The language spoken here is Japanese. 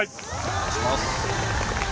お願いします